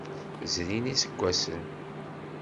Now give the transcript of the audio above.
Zrin iseggasen.